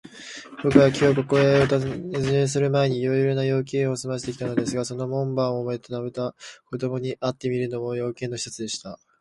ぼくはきょう、ここへおたずねするまえに、いろいろな用件をすませてきたのですが、その門番をつとめた子どもに会ってみるのも、用件の一つでした。